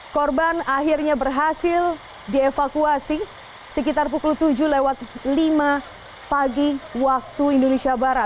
korban akhirnya berhasil dievakuasi sekitar pukul tujuh lewat lima pagi waktu indonesia barat